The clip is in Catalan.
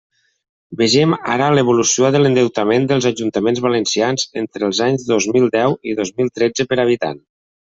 Vegem ara l'evolució de l'endeutament dels ajuntaments valencians entre els anys dos mil deu i dos mil tretze per habitant.